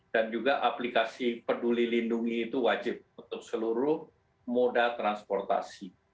dan juga aplikasi peduli lindungi itu wajib untuk seluruh moda transportasi